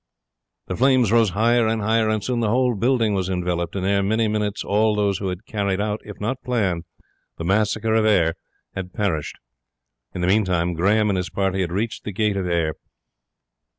The flames rose higher and higher, and soon the whole building was enveloped, and ere many minutes all those who had carried out, if not planned, the massacre of Ayr had perished. In the meantime Grahame and his party had reached the gate of Ayr.